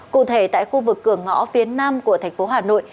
cụ thể tại khu vực cửa ngõ phía nam của thành phố hà nội